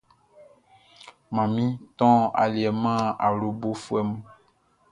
Manmin ton aliɛ man awlobofuɛ mun.